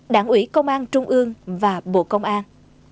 đảng ủy công an trung ương và bộ công an